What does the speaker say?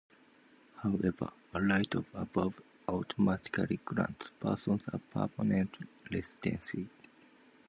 However, a right of abode automatically grants persons a permanent residency.